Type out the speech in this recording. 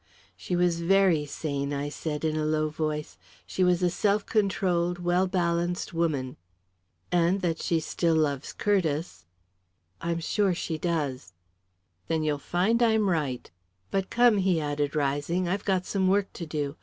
"She was very sane," I said, in a low voice. "She was a self controlled, well balanced woman." "And that she still loves Curtiss." "I'm sure she does." "Then you'll find I'm right. But come," he added, rising, "I've got some work to do.